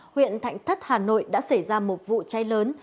huyện thạnh thất hà nội đã xảy ra một vụ cháy lớn